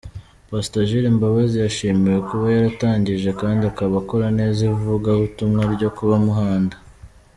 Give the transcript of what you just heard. Pastor Jules Mbabazi yashimiwe kuba yaratangije kandi akaba akora neza ivugabutumwa ryo ku muhanda.